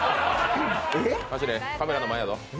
カメラの前やぞ。